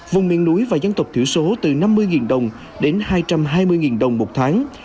vùng miền núi và dân tộc thiểu số từ năm mươi đồng đến hai trăm hai mươi đồng một tháng